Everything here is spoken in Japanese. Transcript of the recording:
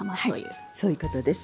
はいそういうことです。